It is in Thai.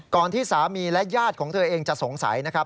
ที่สามีและญาติของเธอเองจะสงสัยนะครับ